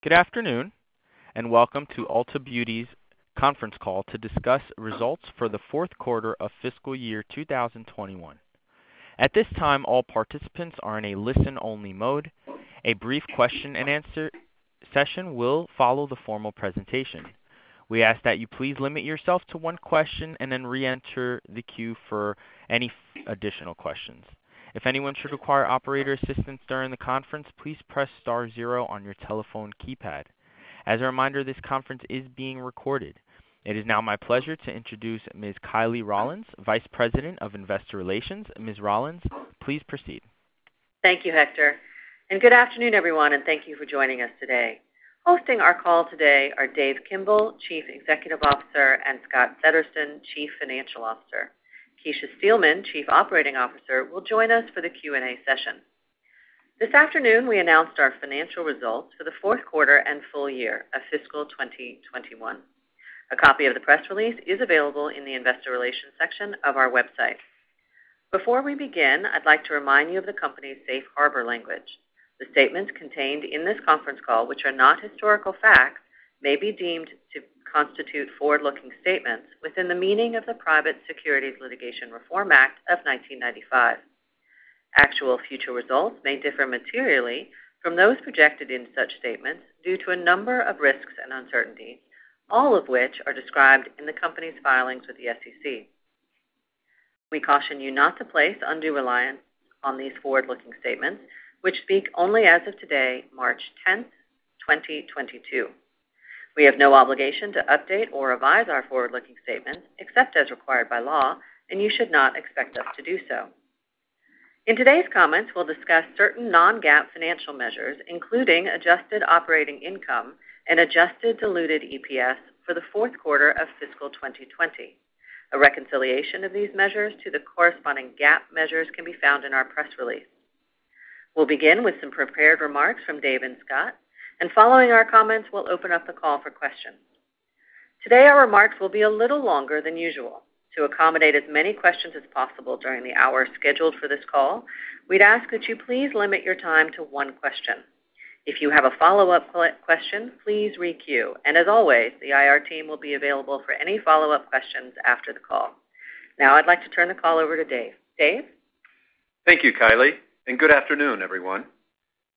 Good afternoon, and welcome to Ulta Beauty's conference call to discuss results for the Q4 of FY2021. At this time, all participants are in a listen-only mode. A brief question-and-answer session will follow the formal presentation. We ask that you please limit yourself to one question and then re-enter the queue for any additional questions. If anyone should require operator assistance during the conference, please press star zero on your telephone keypad. As a reminder, this conference is being recorded. It is now my pleasure to introduce Ms. Kiley Rawlins, Vice President of Investor Relations. Ms. Rawlins, please proceed. Thank you, Hector, and good afternoon, everyone, and thank you for joining us today. Hosting our call today are Dave Kimbell, Chief Executive Officer, and Scott Settersten, Chief Financial Officer. Kecia Steelman, Chief Operating Officer, will join us for the Q&A session. This afternoon, we announced our financial results for the Q4 and full-year of FY2021. A copy of the press release is available in the investor relations section of our website. Before we begin, I'd like to remind you of the company's safe harbor language. The statements contained in this conference call, which are not historical facts, may be deemed to constitute forward-looking statements within the meaning of the Private Securities Litigation Reform Act of 1995. Actual future results may differ materially from those projected in such statements due to a number of risks and uncertainties, all of which are described in the company's filings with the SEC. We caution you not to place undue reliance on these forward-looking statements, which speak only as of today, March 10, 2022. We have no obligation to update or revise our forward-looking statements, except as required by law, and you should not expect us to do so. In today's comments, we'll discuss certain non-GAAP financial measures, including adjusted operating income and adjusted diluted EPS for the fourth quarter of fiscal 2020. A reconciliation of these measures to the corresponding GAAP measures can be found in our press release. We'll begin with some prepared remarks from Dave and Scott, and following our comments, we'll open up the call for questions. Today, our remarks will be a little longer than usual. To accommodate as many questions as possible during the hour scheduled for this call, we'd ask that you please limit your time to one question. If you have a follow-up question, please re-queue. As always, the IR team will be available for any follow-up questions after the call. Now I'd like to turn the call over to Dave. Dave? Thank you, Kiley, and good afternoon, everyone.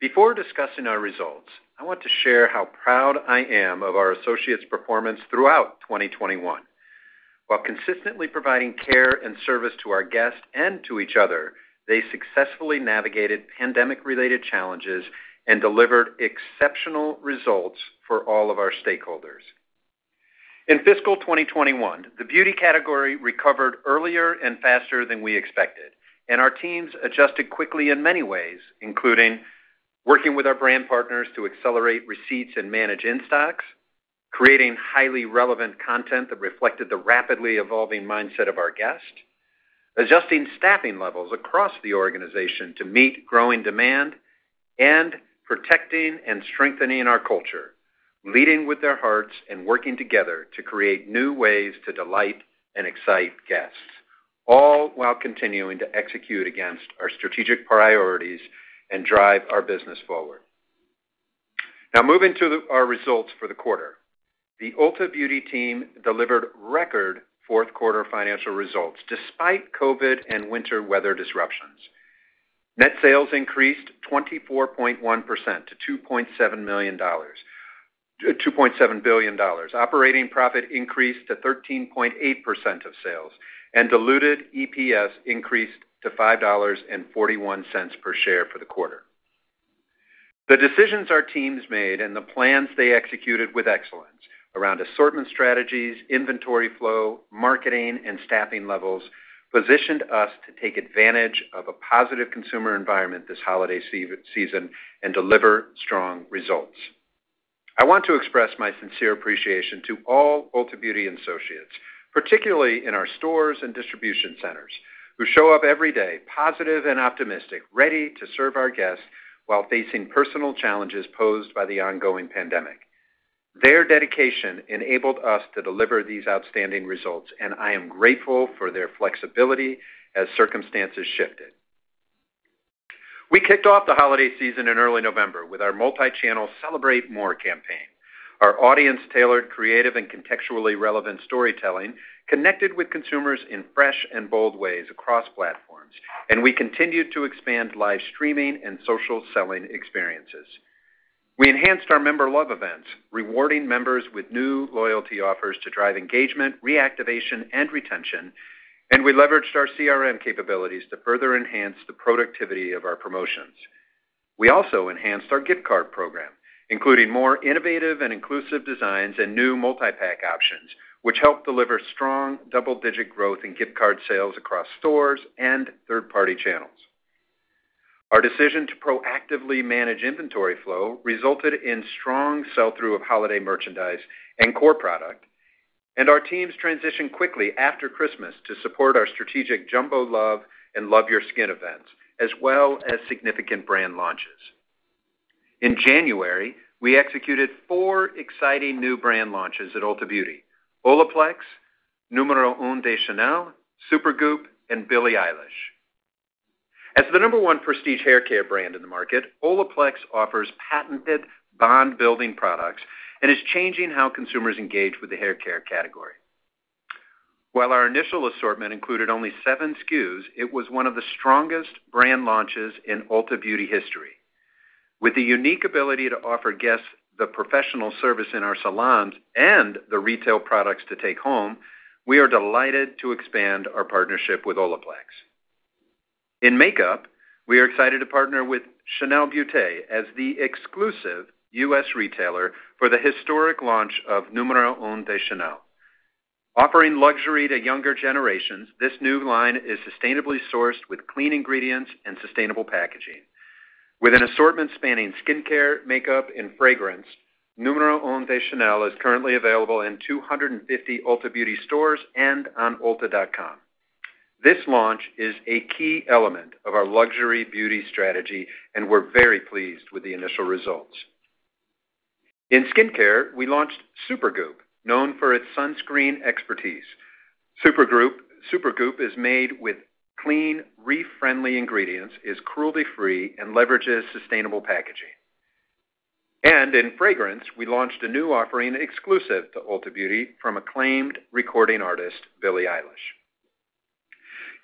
Before discussing our results, I want to share how proud I am of our associates' performance throughout 2021. While consistently providing care and service to our guests and to each other, they successfully navigated pandemic-related challenges and delivered exceptional results for all of our stakeholders. In fiscal 2021, the beauty category recovered earlier and faster than we expected, and our teams adjusted quickly in many ways, including working with our brand partners to accelerate receipts and manage in-stocks, creating highly relevant content that reflected the rapidly evolving mindset of our guests, adjusting staffing levels across the organization to meet growing demand, and protecting and strengthening our culture, leading with their hearts and working together to create new ways to delight and excite guests, all while continuing to execute against our strategic priorities and drive our business forward. Now, moving to our results for the quarter. The Ulta Beauty team delivered record Q4 financial results despite COVID-19 and winter weather disruptions. Net sales increased 24.1% to $2.7 billion. Operating profit increased to 13.8% of sales, and diluted EPS increased to $5.41 per share for the quarter. The decisions our teams made and the plans they executed with excellence around assortment strategies, inventory flow, marketing, and staffing levels positioned us to take advantage of a positive consumer environment this holiday season and deliver strong results. I want to express my sincere appreciation to all Ulta Beauty associates, particularly in our stores and distribution centers, who show up every day positive and optimistic, ready to serve our guests while facing personal challenges posed by the ongoing pandemic. Their dedication enabled us to deliver these outstanding results, and I am grateful for their flexibility as circumstances shifted. We kicked off the holiday season in early November with our multi-channel Celebrate More campaign. Our audience-tailored creative and contextually relevant storytelling connected with consumers in fresh and bold ways across platforms, and we continued to expand live streaming and social selling experiences. We enhanced our Member Love events, rewarding members with new loyalty offers to drive engagement, reactivation, and retention, and we leveraged our CRM capabilities to further enhance the productivity of our promotions. We also enhanced our gift card program, including more innovative and inclusive designs and new multi-pack options, which helped deliver strong double-digit growth in gift card sales across stores and third-party channels. Our decision to proactively manage inventory flow resulted in strong sell-through of holiday merchandise and core product, and our teams transitioned quickly after Christmas to support our strategic Jumbo Love and Love Your Skin events, as well as significant brand launches. In January, we executed four exciting new brand launches at Ulta Beauty, OLAPLEX, N°1 DE CHANEL, Supergoop!, and Billie Eilish. As the number one prestige haircare brand in the market, OLAPLEX offers patented bond building products and is changing how consumers engage with the haircare category. While our initial assortment included only seven SKUs, it was one of the strongest brand launches in Ulta Beauty history. With the unique ability to offer guests the professional service in our salons and the retail products to take home, we are delighted to expand our partnership with OLAPLEX. In makeup, we are excited to partner with Chanel Beauté as the exclusive U.S. retailer for the historic launch of N°1 DE CHANEL.Offering luxury to younger generations, this new line is sustainably sourced with clean ingredients and sustainable packaging. With an assortment spanning skincare, makeup and fragrance, N°1 DE CHANEL is currently available in 250 Ulta Beauty stores and on Ulta.com. This launch is a key element of our luxury beauty strategy, and we're very pleased with the initial results. In skincare, we launched Supergoop!, known for its sunscreen expertise. Supergoop! is made with clean, reef-friendly ingredients, is cruelty-free, and leverages sustainable packaging. In fragrance, we launched a new offering exclusive to Ulta Beauty from acclaimed recording artist Billie Eilish.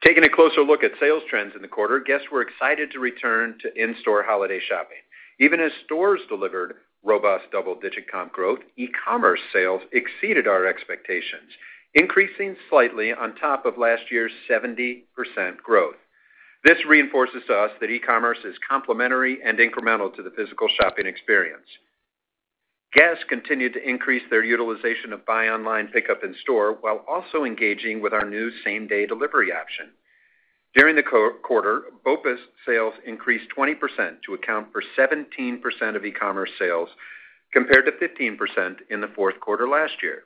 Taking a closer look at sales trends in the quarter, guests were excited to return to in-store holiday shopping. Even as stores delivered robust double-digit comp growth, e-commerce sales exceeded our expectations, increasing slightly on top of last year's 70% growth. This reinforces to us that e-commerce is complementary and incremental to the physical shopping experience. Guests continued to increase their utilization of buy online, pickup in store, while also engaging with our new same-day delivery option. During the quarter, BOPUS sales increased 20% to account for 17% of e-commerce sales, compared to 15% in the fourth quarter last year.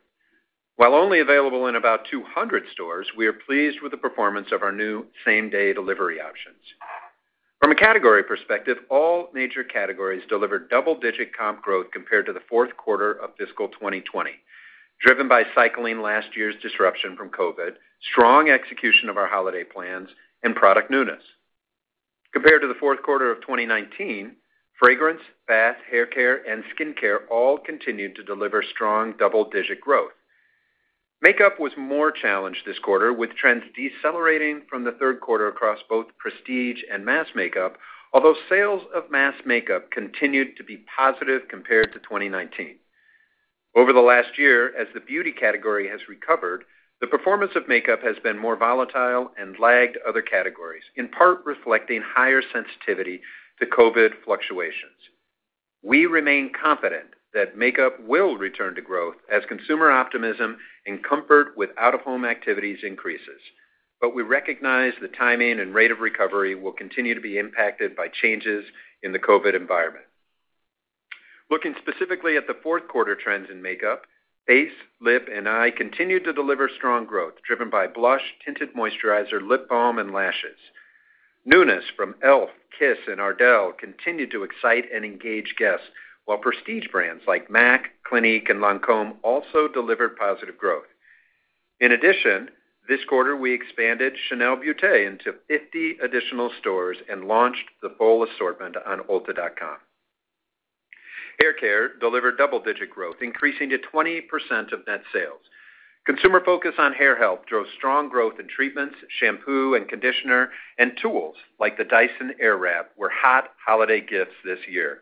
While only available in about 200 stores, we are pleased with the performance of our new same-day delivery options. From a category perspective, all major categories delivered double-digit comp growth compared to the Q4 of FY2020, driven by cycling last year's disruption from COVID-19, strong execution of our holiday plans, and product newness. Compared to the Q4 2019, fragrance, bath, haircare, and skincare all continued to deliver strong double-digit growth. Makeup was more challenged this quarter, with trends decelerating from the Q3 across both prestige and mass makeup, although sales of mass makeup continued to be positive compared to 2019. Over the last year, as the beauty category has recovered, the performance of makeup has been more volatile and lagged other categories, in part reflecting higher sensitivity to COVID-19 fluctuations. We remain confident that makeup will return to growth as consumer optimism and comfort with out-of-home activities increases. We recognize the timing and rate of recovery will continue to be impacted by changes in the COVID-19 environment. Looking specifically at the fourth quarter trends in makeup, face, lip, and eye continued to deliver strong growth, driven by blush, tinted moisturizer, lip balm, and lashes. Newness from e.l.f., KISS, and Ardell continued to excite and engage guests, while prestige brands like MAC, Clinique, and Lancôme also delivered positive growth. In addition, this quarter, we expanded Chanel Beauté into 50 additional stores and launched the full assortment on ulta.com. Haircare delivered double-digit growth, increasing to 20% of net sales. Consumer focus on hair health drove strong growth in treatments, shampoo and conditioner, and tools like the Dyson Airwrap were hot holiday gifts this year.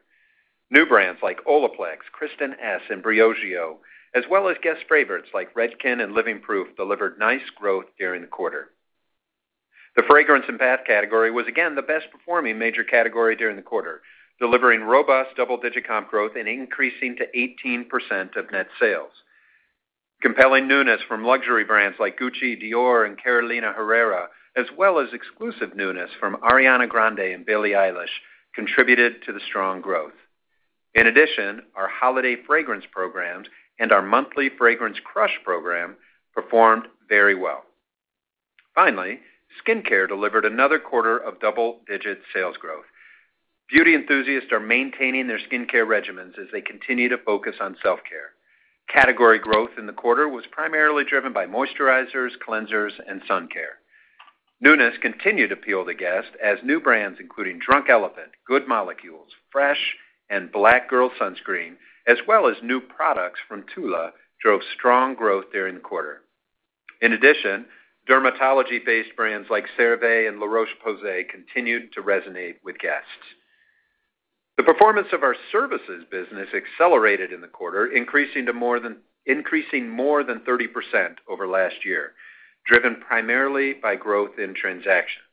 New brands like OLAPLEX, Kristin Ess, and Briogeo, as well as guest favorites like Redken and Living Proof, delivered nice growth during the quarter. The fragrance and bath category was again the best performing major category during the quarter, delivering robust double-digit comp growth and increasing to 18% of net sales. Compelling newness from luxury brands like Gucci, Dior, and Carolina Herrera, as well as exclusive newness from Ariana Grande and Billie Eilish, contributed to the strong growth. In addition, our holiday fragrance programs and our monthly Fragrance Crush program performed very well. Finally, skincare delivered another quarter of double-digit sales growth. Beauty enthusiasts are maintaining their skincare regimens as they continue to focus on self-care. Category growth in the quarter was primarily driven by moisturizers, cleansers, and sun care. Newness continued to appeal to guests, as new brands including Drunk Elephant, Good Molecules, fresh, and Black Girl Sunscreen, as well as new products from TULA, drove strong growth during the quarter. In addition, dermatology-based brands like CeraVe and La Roche-Posay continued to resonate with guests. The performance of our services business accelerated in the quarter, increasing more than 30% over last year, driven primarily by growth in transactions.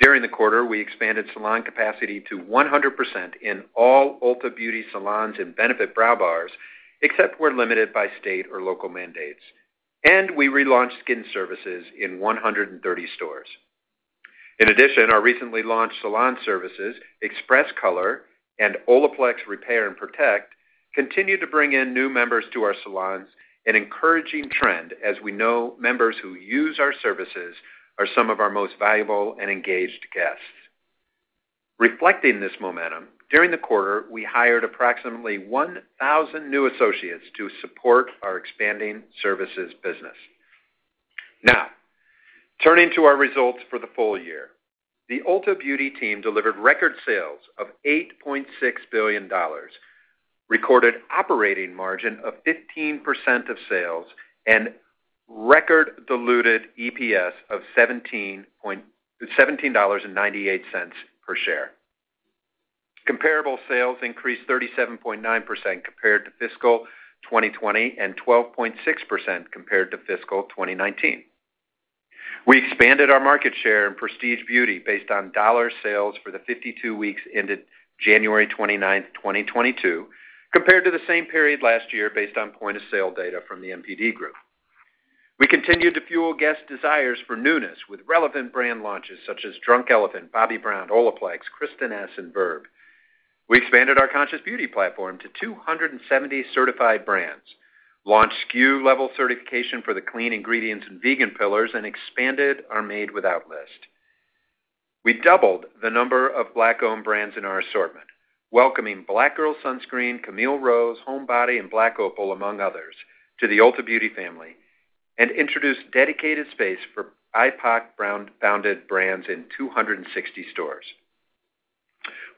During the quarter, we expanded salon capacity to 100% in all Ulta Beauty salons and Benefit Brow Bars, except where limited by state or local mandates. We relaunched skin services in 130 stores. In addition, our recently launched salon services, Express Color and Olaplex Repair & Protect, continue to bring in new members to our salons, an encouraging trend as we know members who use our services are some of our most valuable and engaged guests. Reflecting this momentum, during the quarter, we hired approximately 1,000 new associates to support our expanding services business. Now, turning to our results for the full-year. The Ulta Beauty team delivered record sales of $8.6 billion, recorded operating margin of 15% of sales, and record diluted EPS of $17.98 per share. Comparable sales increased 37.9% compared to FY2020, and 12.6% compared to fiscal 2019. We expanded our market share in prestige beauty based on dollar sales for the 52 weeks ended January 29, 2022, compared to the same period last year based on point of sale data from the NPD Group. We continued to fuel guest desires for newness with relevant brand launches such as Drunk Elephant, Bobbi Brown, OLAPLEX, Kristin Ess, and Burb. We expanded our conscious beauty platform to 270 certified brands, launched SKU level certification for the clean ingredients and vegan pillars, and expanded our Made Without list. We doubled the number of Black-owned brands in our assortment, welcoming Black Girl Sunscreen, Camille Rose, Homebody, and Black Opal, among others, to the Ulta Beauty family, and introduced dedicated space for BIPOC-founded brands in 260 stores.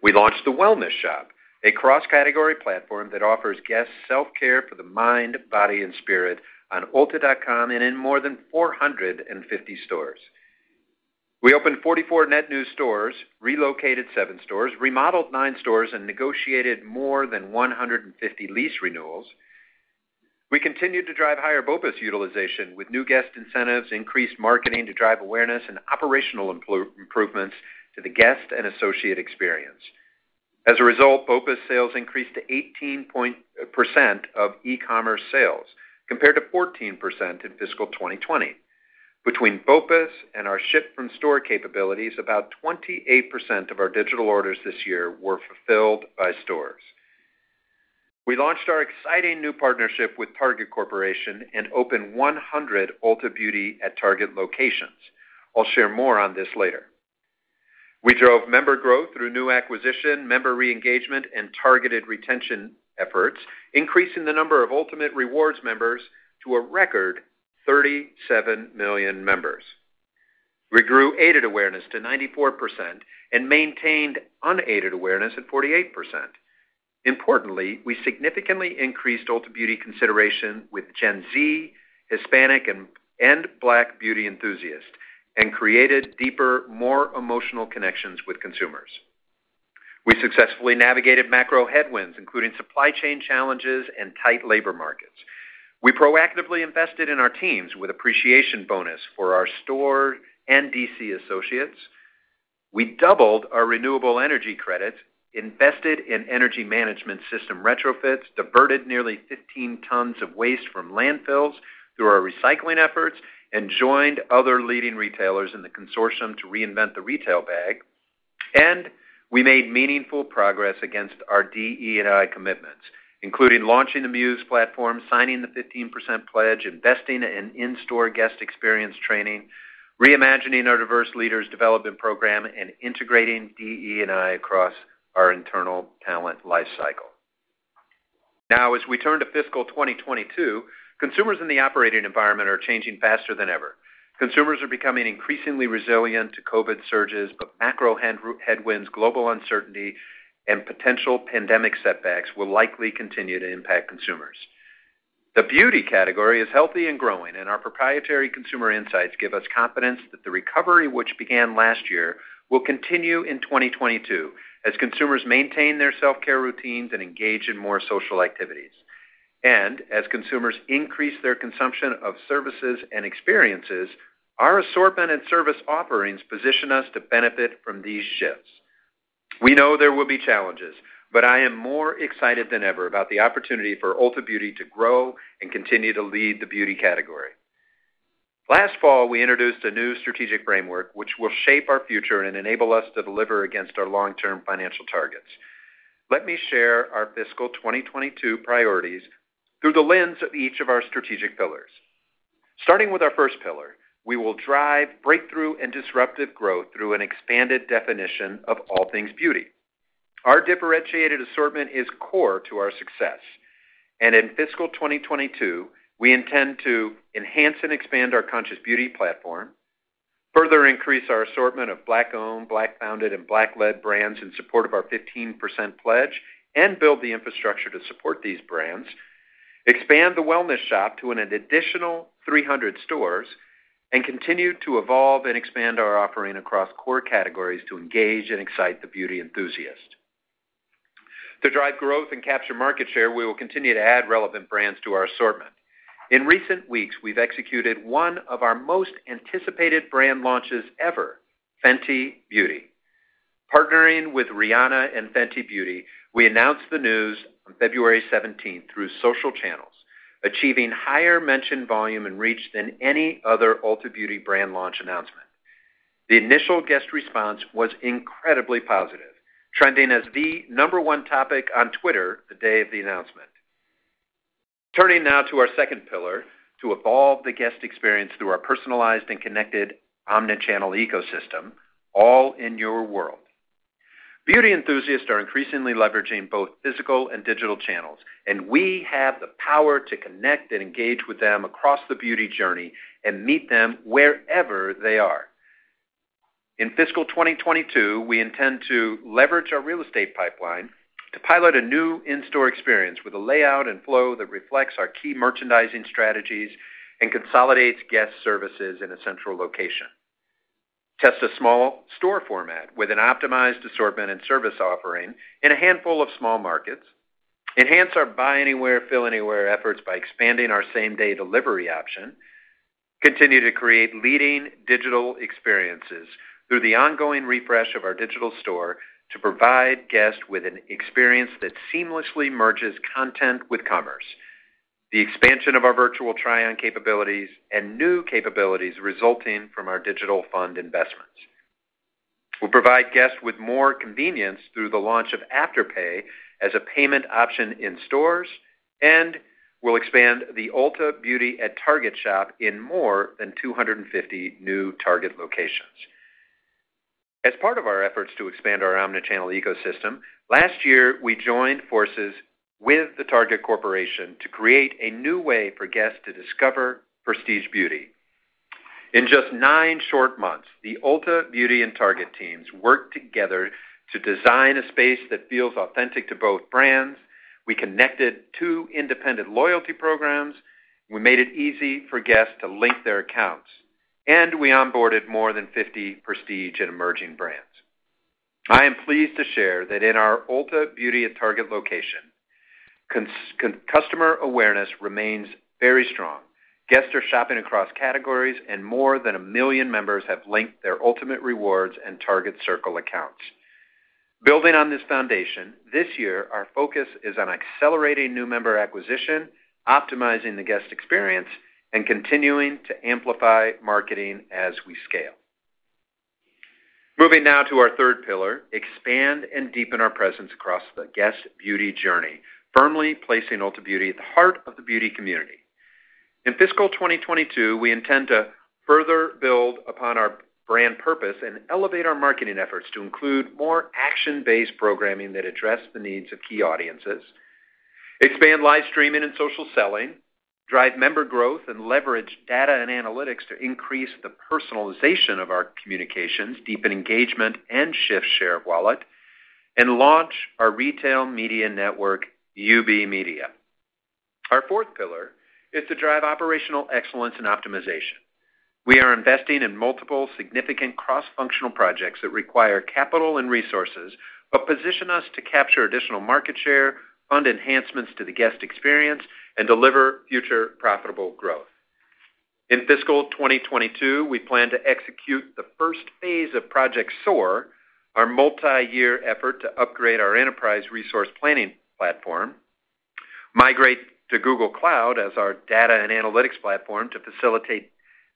We launched the wellness shop, a cross-category platform that offers guests self-care for the mind, body, and spirit on ulta.com and in more than 450 stores. We opened 44 net new stores, relocated seven stores, remodeled nine stores, and negotiated more than 150 lease renewals. We continued to drive higher BOPUS utilization with new guest incentives, increased marketing to drive awareness, and operational improvements to the guest and associate experience. As a result, BOPUS sales increased to 18% of e-commerce sales, compared to 14% in FY2020. Between BOPUS and our ship-from-store capabilities, about 28% of our digital orders this year were fulfilled by stores. We launched our exciting new partnership with Target Corporation and opened 100 Ulta Beauty at Target locations. I'll share more on this later. We drove member growth through new acquisition, member re-engagement, and targeted retention efforts, increasing the number of Ultamate Rewards members to a record 37 million members. We grew aided awareness to 94% and maintained unaided awareness at 48%. Importantly, we significantly increased Ulta Beauty consideration with Gen Z, Hispanic, and Black beauty enthusiasts, and created deeper, more emotional connections with consumers. We successfully navigated macro headwinds, including supply chain challenges and tight labor markets. We proactively invested in our teams with appreciation bonus for our store and DC associates. We doubled our renewable energy credits, invested in energy management system retrofits, diverted nearly 15 tons of waste from landfills through our recycling efforts, and joined other leading retailers in the consortium to reinvent the retail bag. We made meaningful progress against our DE&I commitments, including launching the MUSE platform, signing the 15% Pledge, investing in in-store guest experience training, reimagining our diverse leaders development program, and integrating DE&I across our internal talent life cycle. Now, as we turn to FY2022, consumers in the operating environment are changing faster than ever. Consumers are becoming increasingly resilient to COVID-19 surges, but macro headwinds, global uncertainty, and potential pandemic setbacks will likely continue to impact consumers. The beauty category is healthy and growing, and our proprietary consumer insights give us confidence that the recovery which began last year will continue in 2022 as consumers maintain their self-care routines and engage in more social activities. As consumers increase their consumption of services and experiences, our assortment and service offerings position us to benefit from these shifts. We know there will be challenges, but I am more excited than ever about the opportunity for Ulta Beauty to grow and continue to lead the beauty category. Last fall, we introduced a new strategic framework which will shape our future and enable us to deliver against our long-term financial targets. Let me share our fiscal 2022 priorities through the lens of each of our strategic pillars. Starting with our first pillar, we will drive breakthrough and disruptive growth through an expanded definition of all things beauty. Our differentiated assortment is core to our success. In fiscal 2022, we intend to enhance and expand our conscious beauty platform, further increase our assortment of black-owned, black-founded, and black-led brands in support of our 15% Pledge, and build the infrastructure to support these brands, expand the wellness shop to an additional 300 stores, and continue to evolve and expand our offering across core categories to engage and excite the beauty enthusiast. To drive growth and capture market share, we will continue to add relevant brands to our assortment. In recent weeks, we've executed one of our most anticipated brand launches ever, Fenty Beauty. Partnering with Rihanna and Fenty Beauty, we announced the news on February 17 through social channels, achieving higher mention volume and reach than any other Ulta Beauty brand launch announcement. The initial guest response was incredibly positive, trending as the number one topic on Twitter the day of the announcement. Turning now to our second pillar, to evolve the guest experience through our personalized and connected omni-channel ecosystem, all in your world. Beauty enthusiasts are increasingly leveraging both physical and digital channels, and we have the power to connect and engage with them across the beauty journey and meet them wherever they are. In FY2022, we intend to leverage our real estate pipeline to pilot a new in-store experience with a layout and flow that reflects our key merchandising strategies and consolidates guest services in a central location. Test a small store format with an optimized assortment and service offering in a handful of small markets. Enhance our buy anywhere, fill anywhere efforts by expanding our same-day delivery option. Continue to create leading digital experiences through the ongoing refresh of our digital store to provide guests with an experience that seamlessly merges content with commerce, the expansion of our virtual tryon capabilities, and new capabilities resulting from our digital fund investments. We'll provide guests with more convenience through the launch of Afterpay as a payment option in stores, and we'll expand the Ulta Beauty at Target shop in more than 250 new Target locations. As part of our efforts to expand our omni-channel ecosystem, last year, we joined forces with the Target Corporation to create a new way for guests to discover prestige beauty. In just nine short months, the Ulta Beauty and Target teams worked together to design a space that feels authentic to both brands. We connected two independent loyalty programs. We made it easy for guests to link their accounts, and we onboarded more than 50 prestige and emerging brands. I am pleased to share that in our Ulta Beauty at Target location, customer awareness remains very strong. Guests are shopping across categories, and more than 1 million members have linked their Ultamate Rewards and Target Circle accounts. Building on this foundation, this year, our focus is on accelerating new member acquisition, optimizing the guest experience, and continuing to amplify marketing as we scale. Moving now to our third pillar, expand and deepen our presence across the guest beauty journey, firmly placing Ulta Beauty at the heart of the beauty community. In FY2022, we intend to further build upon our brand purpose and elevate our marketing efforts to include more action-based programming that address the needs of key audiences, expand live streaming and social selling, drive member growth, and leverage data and analytics to increase the personalization of our communications, deepen engagement, and shift share of wallet, and launch our retail media network, UB Media. Our fourth pillar is to drive operational excellence and optimization. We are investing in multiple significant cross-functional projects that require capital and resources, but position us to capture additional market share, fund enhancements to the guest experience, and deliver future profitable growth. In FY2022, we plan to execute the Phase I of Project SOAR, our multi-year effort to upgrade our enterprise resource planning platform, migrate to Google Cloud as our data and analytics platform to facilitate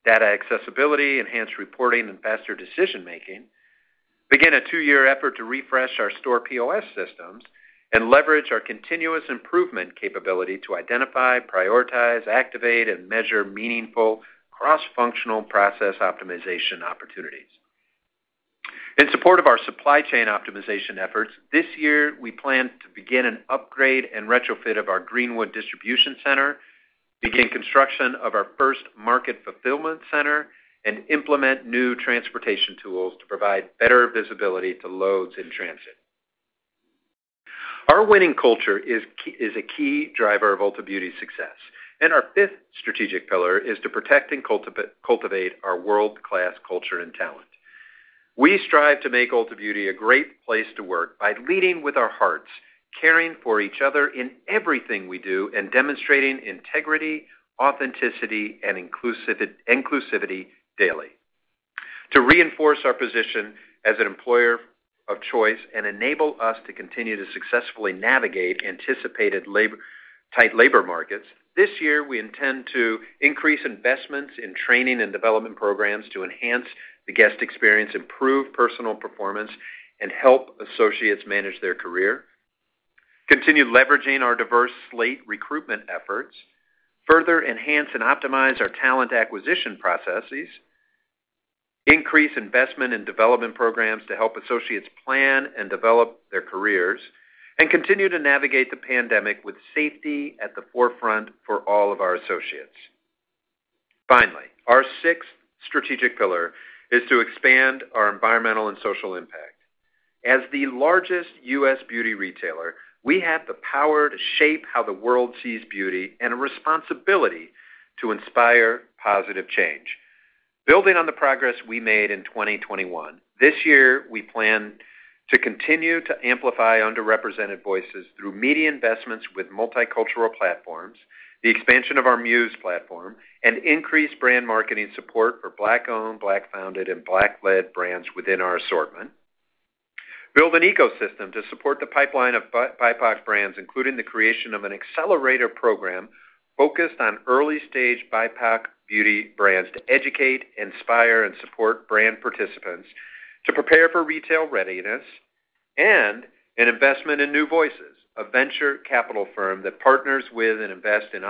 data accessibility, enhanced reporting, and faster decision-making. We plan to begin a two-year effort to refresh our store POS systems and leverage our continuous improvement capability to identify, prioritize, activate, and measure meaningful cross-functional process optimization opportunities. In support of our supply chain optimization efforts, this year, we plan to begin an upgrade and retrofit of our Greenwood distribution center, begin construction of our first market fulfillment center, and implement new transportation tools to provide better visibility to loads in transit. Our winning culture is a key driver of Ulta Beauty's success, and our fifth strategic pillar is to protect and cultivate our world-class culture and talent. We strive to make Ulta Beauty a great place to work by leading with our hearts, caring for each other in everything we do, and demonstrating integrity, authenticity, and inclusivity daily. To reinforce our position as an employer of choice and enable us to continue to successfully navigate anticipated tight labor markets, this year, we intend to increase investments in training and development programs to enhance the guest experience, improve personal performance, and help associates manage their career. Continue leveraging our diverse slate recruitment efforts, further enhance and optimize our talent acquisition processes, increase investment in development programs to help associates plan and develop their careers, and continue to navigate the pandemic with safety at the forefront for all of our associates. Finally, our sixth strategic pillar is to expand our environmental and social impact. As the largest U.S. beauty retailer, we have the power to shape how the world sees beauty and a responsibility to inspire positive change. Building on the progress we made in 2021, this year, we plan to continue to amplify underrepresented voices through media investments with multicultural platforms, the expansion of our MUSE platform, and increase brand marketing support for Black-owned, Black-founded, and Black-led brands within our assortment. Build an ecosystem to support the pipeline of BIPOC brands, including the creation of an accelerator program focused on early-stage BIPOC beauty brands to educate, inspire, and support brand participants to prepare for retail readiness. An investment in New Voices, a venture capital firm that partners with and invest in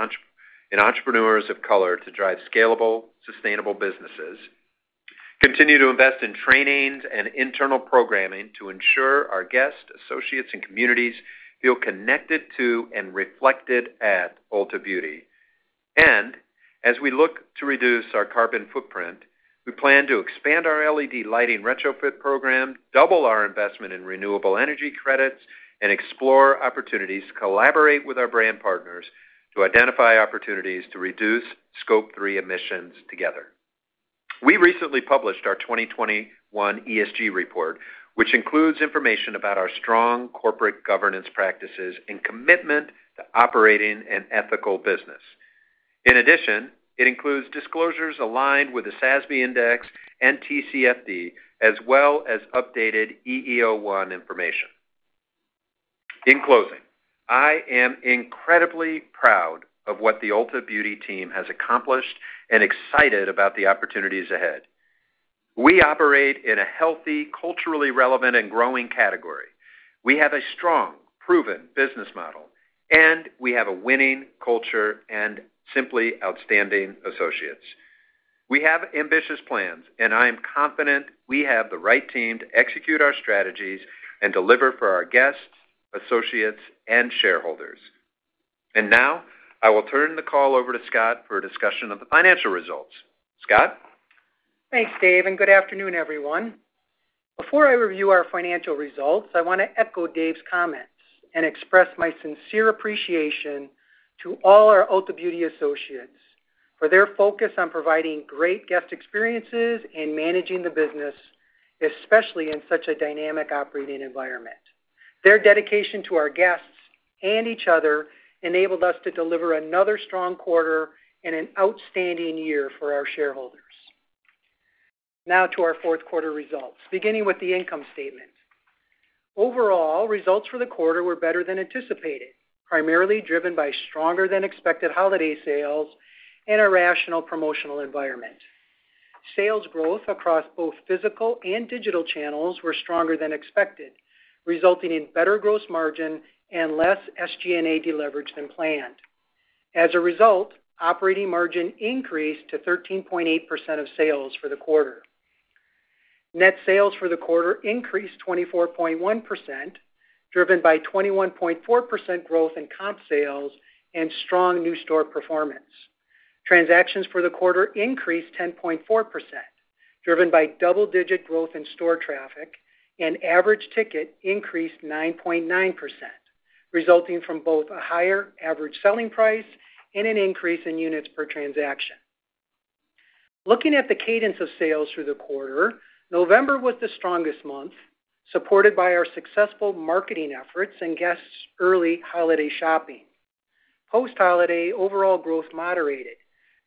entrepreneurs of color to drive scalable, sustainable businesses. Continue to invest in trainings and internal programming to ensure our guests, associates, and communities feel connected to and reflected at Ulta Beauty. As we look to reduce our carbon footprint, we plan to expand our LED lighting retrofit program, double our investment in renewable energy credits, and explore opportunities to collaborate with our brand partners to identify opportunities to reduce scope three emissions together. We recently published our 2021 ESG report, which includes information about our strong corporate governance practices and commitment to operating an ethical business. In addition, it includes disclosures aligned with the SASB Index and TCFD, as well as updated EEO-1 information. In closing, I am incredibly proud of what the Ulta Beauty team has accomplished and excited about the opportunities ahead. We operate in a healthy, culturally relevant, and growing category. We have a strong, proven business model, and we have a winning culture and simply outstanding associates. We have ambitious plans, and I am confident we have the right team to execute our strategies and deliver for our guests, associates, and shareholders. Now, I will turn the call over to Scott for a discussion of the financial results. Scott? Thanks, Dave, and good afternoon, everyone. Before I review our financial results, I want to echo Dave's comments and express my sincere appreciation to all our Ulta Beauty associates for their focus on providing great guest experiences and managing the business, especially in such a dynamic operating environment. Their dedication to our guests and each other enabled us to deliver another strong quarter and an outstanding year for our shareholders. Now to our Q4 results, beginning with the income statement. Overall, results for the quarter were better than anticipated, primarily driven by stronger than expected holiday sales and a rational promotional environment. Sales growth across both physical and digital channels were stronger than expected, resulting in better gross margin and less SG&A deleverage than planned. As a result, operating margin increased to 13.8% of sales for the quarter. Net sales for the quarter increased 24.1%, driven by 21.4% growth in comparable sales and strong new store performance. Transactions for the quarter increased 10.4%, driven by double-digit growth in store traffic, and average ticket increased 9.9%, resulting from both a higher average selling price and an increase in units per transaction. Looking at the cadence of sales through the quarter, November was the strongest month, supported by our successful marketing efforts and guests' early holiday shopping. Post-holiday, overall growth moderated,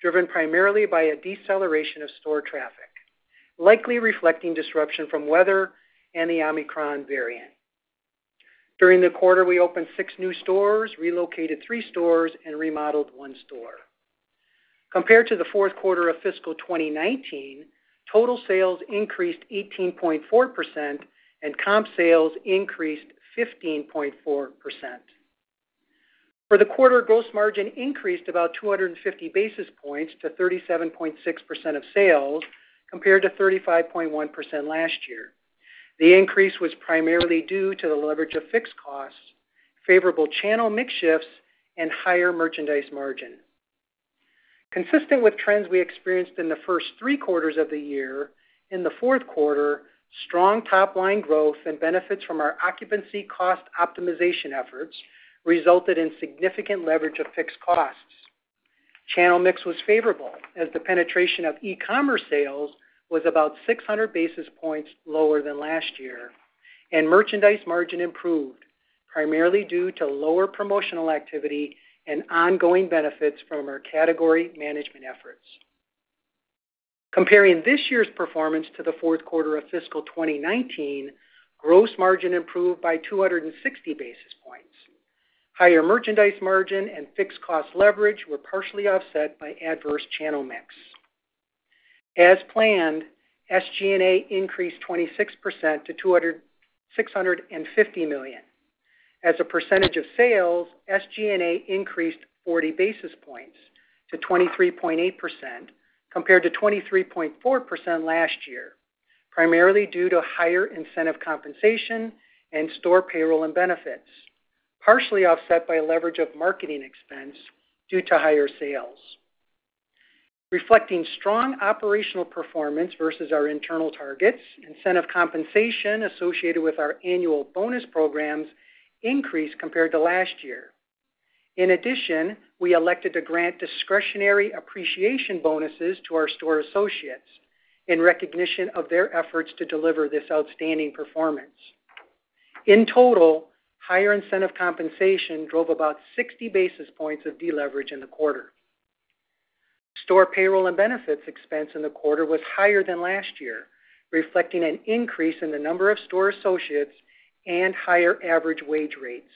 driven primarily by a deceleration of store traffic, likely reflecting disruption from weather and the Omicron variant. During the quarter, we opened six new stores, relocated three stores, and remodeled one store. Compared to the Q4 of FY2019, total sales increased 18.4%, and comparable sales increased 15.4%. For the quarter, gross margin increased about 250 basis points to 37.6% of sales, compared to 35.1% last year. The increase was primarily due to the leverage of fixed costs, favorable channel mix shifts, and higher merchandise margin. Consistent with trends we experienced in the first three quarters of the year, in the fourth quarter, strong top-line growth and benefits from our occupancy cost optimization efforts resulted in significant leverage of fixed costs. Channel mix was favorable, as the penetration of e-commerce sales was about 600 basis points lower than last year, and merchandise margin improved, primarily due to lower promotional activity and ongoing benefits from our category management efforts. Comparing this year's performance to the Q4 of FY2019, gross margin improved by 260 basis points. Higher merchandise margin and fixed cost leverage were partially offset by adverse channel mix. As planned, SG&A increased 26% to $260 million. As a percentage of sales, SG&A increased 40 basis points to 23.8% compared to 23.4% last year, primarily due to higher incentive compensation and store payroll and benefits, partially offset by leverage of marketing expense due to higher sales. Reflecting strong operational performance versus our internal targets, incentive compensation associated with our annual bonus programs increased compared to last year. In addition, we elected to grant discretionary appreciation bonuses to our store associates in recognition of their efforts to deliver this outstanding performance. In total, higher incentive compensation drove about 60 basis points of deleverage in the quarter. Store payroll and benefits expense in the quarter was higher than last year, reflecting an increase in the number of store associates and higher average wage rates.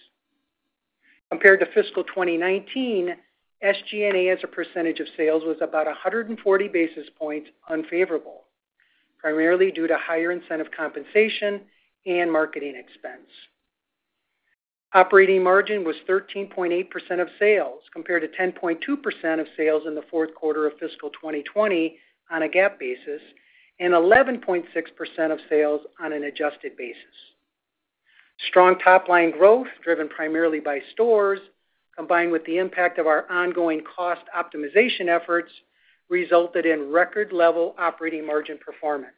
Compared to FY2019, SG&A as a percentage of sales was about 140 basis points unfavorable, primarily due to higher incentive compensation and marketing expense. Operating margin was 13.8% of sales compared to 10.2% of sales in the Q4 of FY2020 on a GAAP basis, and 11.6% of sales on an adjusted basis. Strong top line growth, driven primarily by stores, combined with the impact of our ongoing cost optimization efforts, resulted in record level operating margin performance.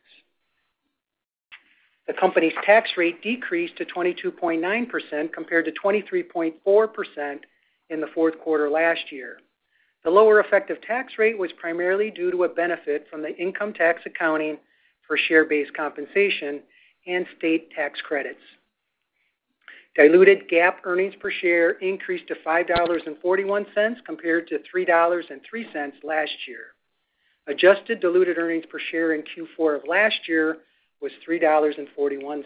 The company's tax rate decreased to 22.9% compared to 23.4% in the Q4 last year. The lower effective tax rate was primarily due to a benefit from the income tax accounting for share-based compensation and state tax credits. Diluted GAAP earnings per share increased to $5.41 compared to $3.03 last year. Adjusted diluted earnings per share in Q4 of last year was $3.41.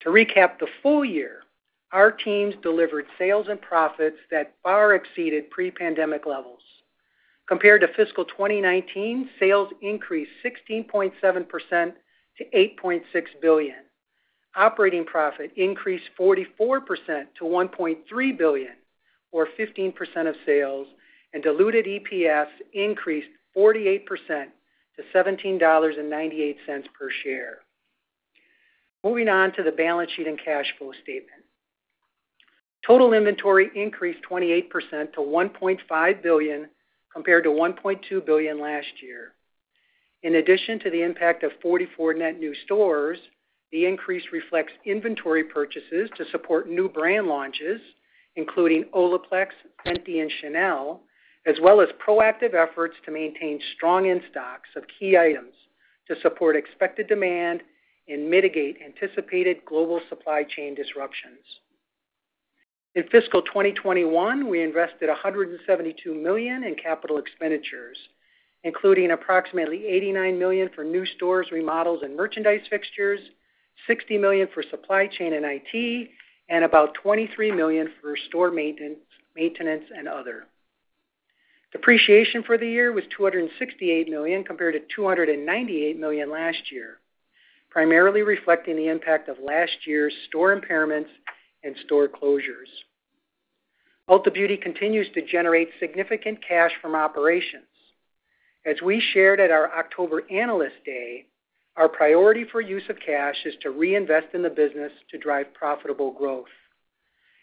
To recap the full-year, our teams delivered sales and profits that far exceeded pre-pandemic levels. Compared to fiscal 2019, sales increased 16.7% to $8.6 billion. Operating profit increased 44% to $1.3 billion or 15% of sales, and diluted EPS increased 48% to $17.98 per share. Moving on to the balance sheet and cash flow statement. Total inventory increased 28% to $1.5 billion, compared to $1.2 billion last year. In addition to the impact of 44 net new stores, the increase reflects inventory purchases to support new brand launches, including OLAPLEX, Fenty, and Chanel, as well as proactive efforts to maintain strong in-stocks of key items to support expected demand and mitigate anticipated global supply chain disruptions. In FY2021, we invested $172 million in capital expenditures, including approximately $89 million for new stores, remodels, and merchandise fixtures, $60 million for supply chain and IT, and about $23 million for store maintenance and other. Depreciation for the year was $268 million, compared to $298 million last year, primarily reflecting the impact of last year's store impairments and store closures. Ulta Beauty continues to generate significant cash from operations. As we shared at our October Analyst Day, our priority for use of cash is to reinvest in the business to drive profitable growth.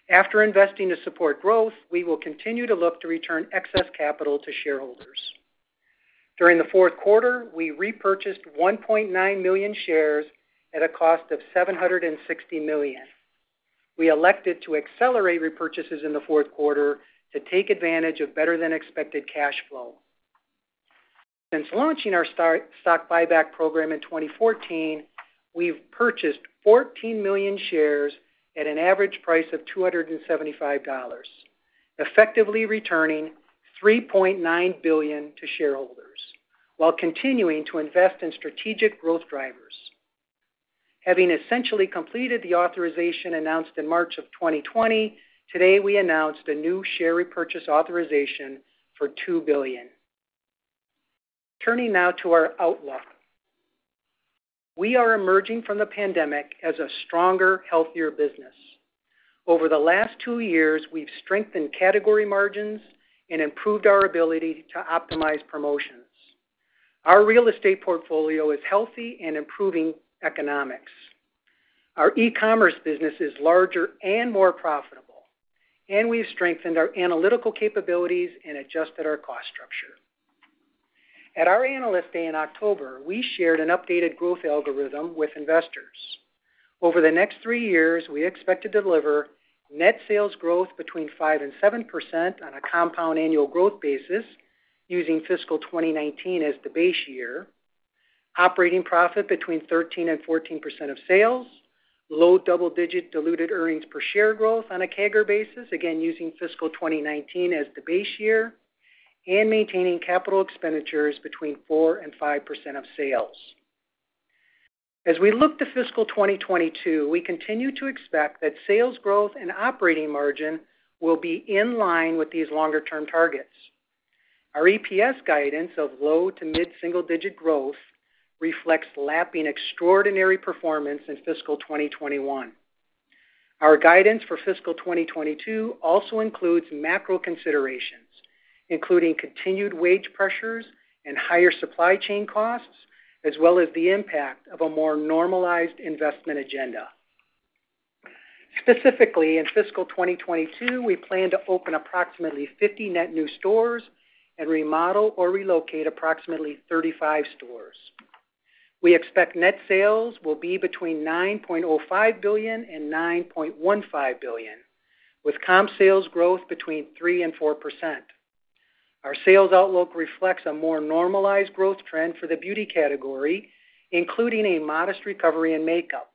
After investing to support growth, we will continue to look to return excess capital to shareholders. During the fourth quarter, we repurchased 1.9 million shares at a cost of $760 million. We elected to accelerate repurchases in the fourth quarter to take advantage of better-than-expected cash flow. Since launching our stock buyback program in 2014, we've purchased 14 million shares at an average price of $275, effectively returning $3.9 billion to shareholders while continuing to invest in strategic growth drivers. Having essentially completed the authorization announced in March 2020, today we announced a new share repurchase authorization for $2 billion. Turning now to our outlook. We are emerging from the pandemic as a stronger, healthier business. Over the last 2 years, we've strengthened category margins and improved our ability to optimize promotions. Our real estate portfolio is healthy and improving economics. Our e-commerce business is larger and more profitable, and we've strengthened our analytical capabilities and adjusted our cost structure. At our Analyst Day in October, we shared an updated growth algorithm with investors. Over the next three years, we expect to deliver net sales growth between 5% and 7% on a compound annual growth basis, using FY2019 as the base year, operating profit between 13% and 14% of sales, low double-digit diluted earnings per share growth on a CAGR basis, again using FY2019 as the base year, and maintaining capital expenditures between 4% and 5% of sales. As we look to FY2022, we continue to expect that sales growth and operating margin will be in line with these longer-term targets. Our EPS guidance of low- to mid-single-digit growth reflects lapping extraordinary performance in FY2021. Our guidance for FY2022 also includes macro considerations, including continued wage pressures and higher supply chain costs, as well as the impact of a more normalized investment agenda. Specifically, in FY2022, we plan to open approximately 50 net new stores and remodel or relocate approximately 35 stores. We expect net sales will be between $9.05 billion and $9.15 billion, with comparable sales growth between 3% and 4%. Our sales outlook reflects a more normalized growth trend for the beauty category, including a modest recovery in makeup,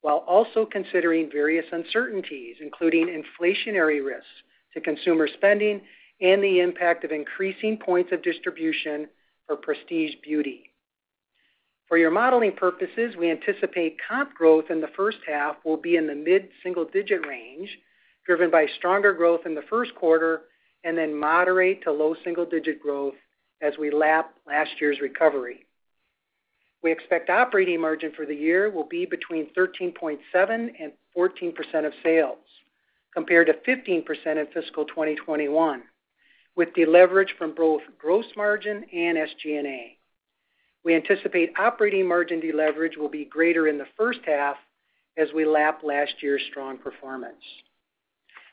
while also considering various uncertainties, including inflationary risks to consumer spending and the impact of increasing points of distribution for prestige beauty. For your modeling purposes, we anticipate comp growth in the H1 will be in the mid-single digit range, driven by stronger growth in the Q1 and then moderate to low single-digit growth as we lap last year's recovery. We expect operating margin for the year will be between 13.7% and 14% of sales, compared to 15% in fiscal 2021, with deleverage from both gross margin and SG&A. We anticipate operating margin deleverage will be greater in the H1 as we lap last year's strong performance.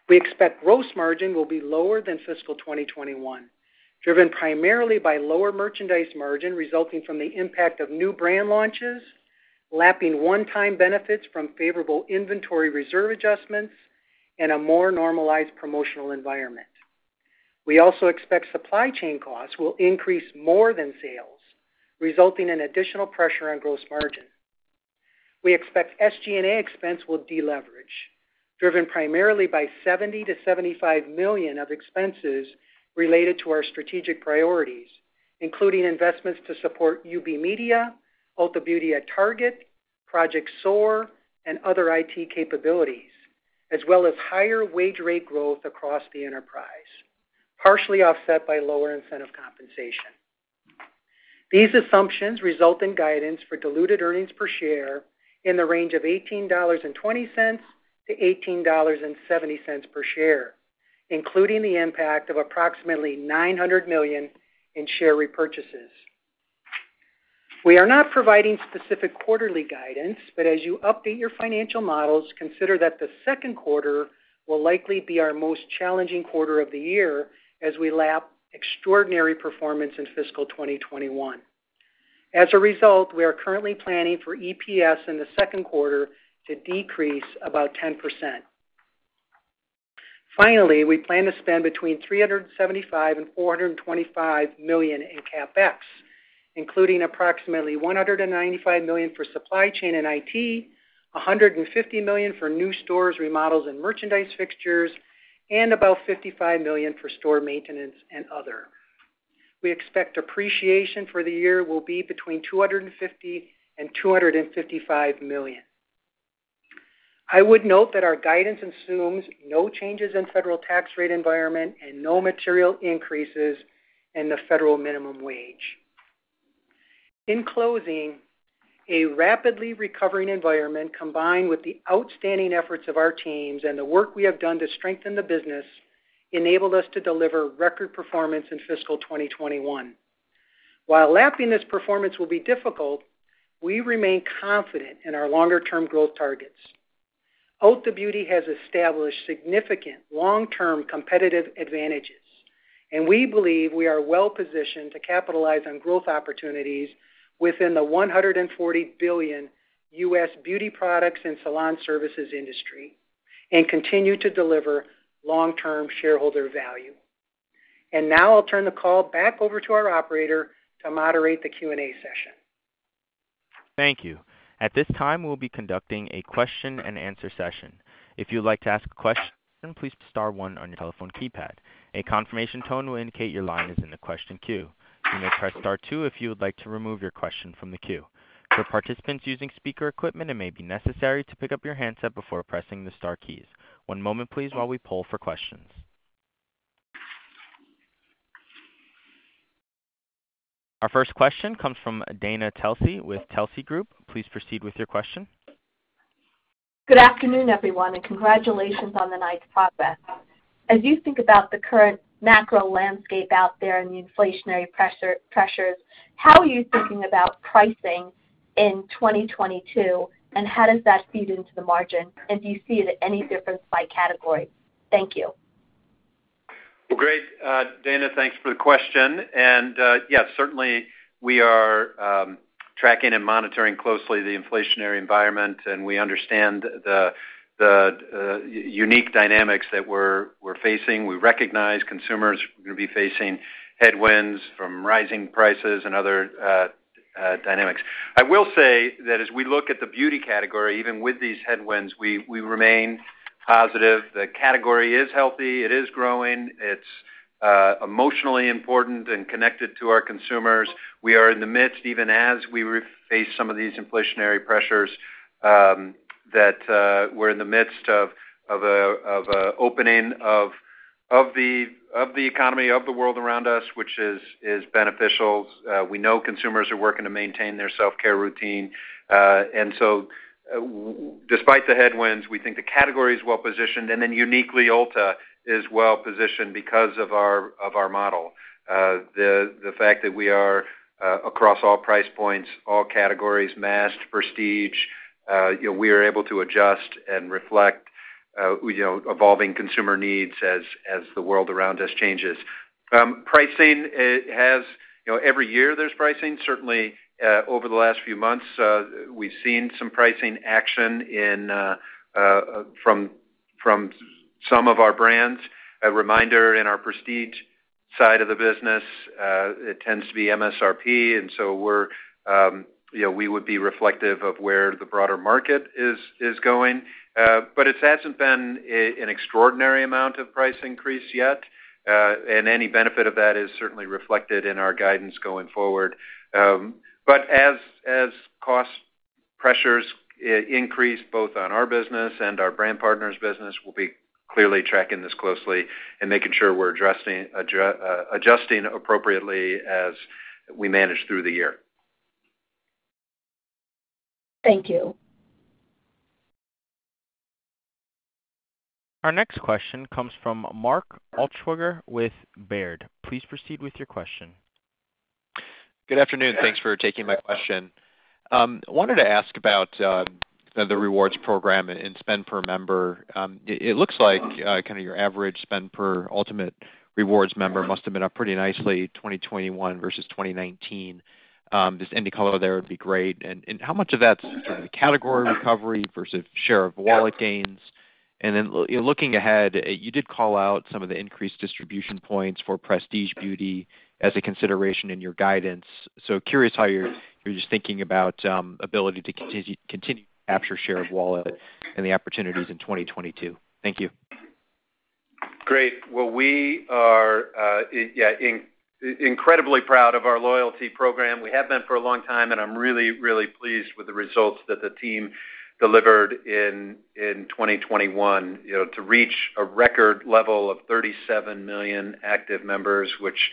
We expect gross margin will be lower than FY2021, driven primarily by lower merchandise margin resulting from the impact of new brand launches, lapping one-time benefits from favorable inventory reserve adjustments, and a more normalized promotional environment. We also expect supply chain costs will increase more than sales, resulting in additional pressure on gross margin. We expect SG&A expense will deleverage, driven primarily by $70 million-$75 million of expenses related to our strategic priorities, including investments to support UB Media, Ulta Beauty at Target, Project SOAR, and other IT capabilities, as well as higher wage rate growth across the enterprise, partially offset by lower incentive compensation. These assumptions result in guidance for diluted earnings per share in the range of $18.20-$18.70 per share, including the impact of approximately $900 million in share repurchases. We are not providing specific quarterly guidance, but as you update your financial models, consider that the second quarter will likely be our most challenging quarter of the year as we lap extraordinary performance in fiscal 2021. As a result, we are currently planning for EPS in the second quarter to decrease about 10%. Finally, we plan to spend between $375 million and $425 million in CapEx, including approximately $195 million for supply chain and IT, $150 million for new stores, remodels, and merchandise fixtures, and about $55 million for store maintenance and other. We expect depreciation for the year will be between $250 million and $255 million. I would note that our guidance assumes no changes in federal tax rate environment and no material increases in the federal minimum wage. In closing, a rapidly recovering environment, combined with the outstanding efforts of our teams and the work we have done to strengthen the business, enabled us to deliver record performance in FY2021. While lapping this performance will be difficult, we remain confident in our longer-term growth targets. Ulta Beauty has established significant long-term competitive advantages, and we believe we are well-positioned to capitalize on growth opportunities within the $140 billion U.S. beauty products and salon services industry and continue to deliver long-term shareholder value. Now I'll turn the call back over to our operator to moderate the Q&A session. Thank you. At this time, we'll be conducting a question and answer session. If you'd like to ask a question, please star one on your telephone keypad. A confirmation tone will indicate your line is in the question queue. You may press R2 if you would like to remove your question from the queue. For participants using speaker equipment, it may be necessary to pick up your handset before pressing the star keys. One moment, please, while we pull for questions. Our first question comes from Dana Telsey with Telsey Advisory Group. Please proceed with your question. Good afternoon, everyone, and congratulations on the nice progress. As you think about the current macro landscape out there and the inflationary pressure, pressures, how are you thinking about pricing in 2022, and how does that feed into the margin? Do you see it at any difference by category? Thank you. Well, great, Dana, thanks for the question. Yes, certainly we are tracking and monitoring closely the inflationary environment, and we understand the unique dynamics that we're facing. We recognize consumers are gonna be facing headwinds from rising prices and other dynamics. I will say that as we look at the beauty category, even with these headwinds, we remain positive. The category is healthy. It is growing. It's emotionally important and connected to our consumers. We are in the midst, even as we face some of these inflationary pressures, that we're in the midst of an opening of the economy, of the world around us, which is beneficial. We know consumers are working to maintain their self-care routine. Despite the headwinds, we think the category is well-positioned, and then uniquely, Ulta is well-positioned because of our model. The fact that we are across all price points, all categories, mass to prestige, you know, we are able to adjust and reflect, you know, evolving consumer needs as the world around us changes. Pricing. You know, every year there's pricing. Certainly, over the last few months, we've seen some pricing action from some of our brands. A reminder, in our prestige side of the business, it tends to be MSRP, and so we're, you know, we would be reflective of where the broader market is going. It hasn't been an extraordinary amount of price increase yet, and any benefit of that is certainly reflected in our guidance going forward. As cost pressures increase both on our business and our brand partners' business, we'll be clearly tracking this closely and making sure we're adjusting appropriately as we manage through the year. Thank you. Our next question comes from Mark Altschwager with Baird. Please proceed with your question. Good afternoon. Thanks for taking my question. I wanted to ask about the rewards program and spend per member. It looks like kinda your average spend per Ultamate Rewards member must have been up pretty nicely, 2021 versus 2019. Just any color there would be great. How much of that's sort of the category recovery versus share of wallet gains? Looking ahead, you did call out some of the increased distribution points for prestige beauty as a consideration in your guidance. Curious how you're just thinking about ability to continue to capture share of wallet and the opportunities in 2022. Thank you. Great. Well, we are incredibly proud of our loyalty program. We have been for a long time, and I'm really, really pleased with the results that the team delivered in 2021, to reach a record level of 37 million active members, which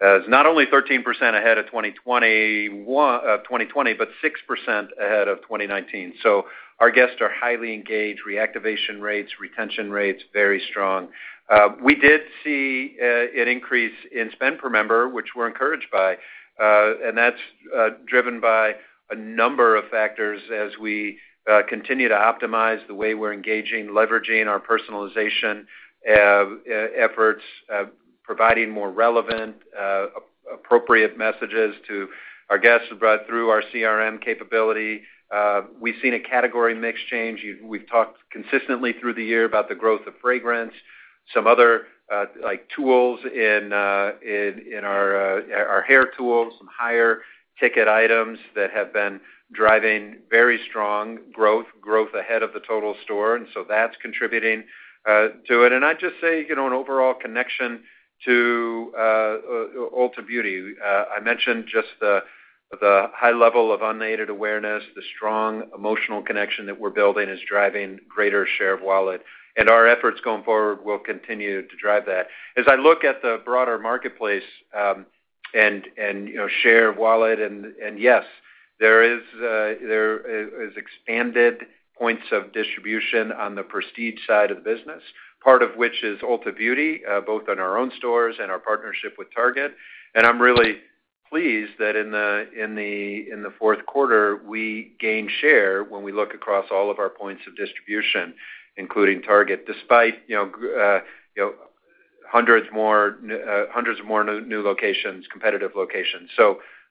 is not only 13% ahead of 2020, but 6% ahead of 2019. So our guests are highly engaged, reactivation rates, retention rates, very strong. We did see an increase in spend per member, which we're encouraged by. And that's driven by a number of factors as we continue to optimize the way we're engaging, leveraging our personalization efforts, providing more relevant appropriate messages to our guests, but through our CRM capability. We've seen a category mix change. We've talked consistently through the year about the growth of fragrance. Some other like tools in our hair tools, some higher ticket items that have been driving very strong growth ahead of the total store, and so that's contributing to it. I'd just say you know an overall connection to Ulta Beauty. I mentioned just the high level of unaided awareness, the strong emotional connection that we're building is driving greater share of wallet. Our efforts going forward will continue to drive that. As I look at the broader marketplace, share of wallet, and yes, there is expanded points of distribution on the prestige side of the business, part of which is Ulta Beauty, both in our own stores and our partnership with Target. I'm really pleased that in the Q4, we gained share when we look across all of our points of distribution, including Target, despite hundreds more new competitive locations.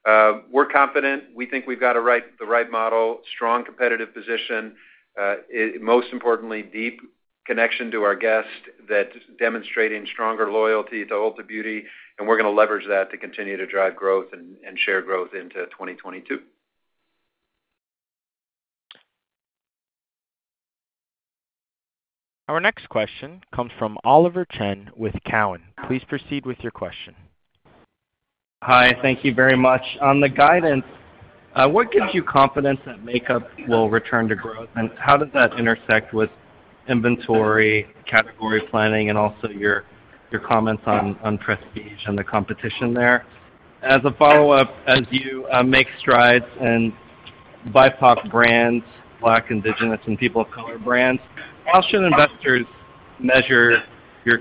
We're confident. We think we've got the right model, strong competitive position, most importantly, deep connection to our guest that's demonstrating stronger loyalty to Ulta Beauty, and we're gonna leverage that to continue to drive growth and share growth into 2022. Our next question comes from Oliver Chen with Cowen. Please proceed with your question. Hi, thank you very much. On the guidance, what gives you confidence that makeup will return to growth, and how does that intersect with inventory, category planning, and also your comments on prestige and the competition there? As a follow-up, as you make strides in BIPOC brands, Black, Indigenous, and people of color brands, how should investors measure your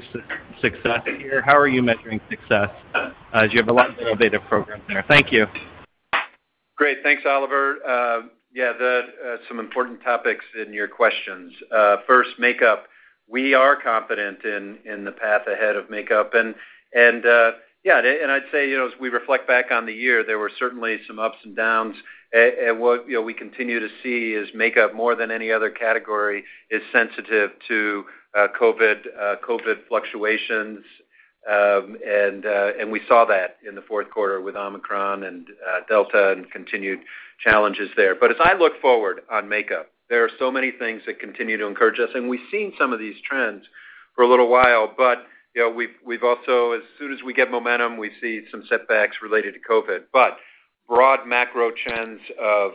success here? How are you measuring success as you have a lot of innovative programs there? Thank you. Great. Thanks, Oliver. Yeah, some important topics in your questions. First, makeup. We are confident in the path ahead of makeup. I'd say, as we reflect back on the year, there were certainly some ups and downs. What we continue to see is makeup, more than any other category, is sensitive to COVID fluctuations. We saw that in the fourth quarter with Omicron and Delta and continued challenges there. As I look forward on makeup, there are so many things that continue to encourage us, and we've seen some of these trends for a little while, but we've also, as soon as we get momentum, we see some setbacks related to COVID-19. Broad macro trends of,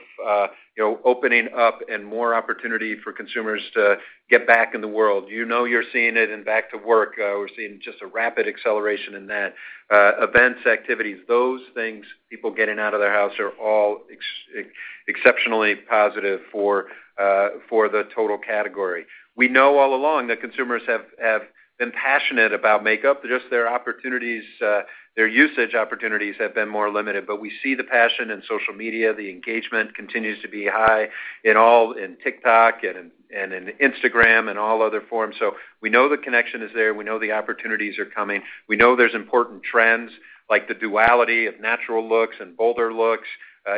opening up and more opportunity for consumers to get back in the world. You know you're seeing it in back to work. We're seeing just a rapid acceleration in that. Events, activities, those things, people getting out of their house are all exceptionally positive for the total category. We know all along that consumers have been passionate about makeup, just their opportunities, their usage opportunities have been more limited. We see the passion in social media. The engagement continues to be high in all in TikTok and in Instagram and all other forms. We know the connection is there. We know the opportunities are coming. We know there's important trends like the duality of natural looks and bolder looks,